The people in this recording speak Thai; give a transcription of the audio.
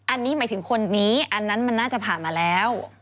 อันนี้หมายถึงคนนี้อันนั้นมันน่าจะผ่านมาแล้ว